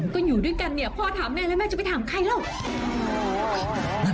ก็อยู่ด้วยกันเนี่ยพ่อถามแม่แล้วแม่จะไปถามใครแล้ว